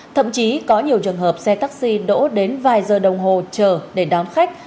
thậm chí có nhiều trường hợp xe taxi đỗ đến vài giờ đồng hồ chờ để đón khách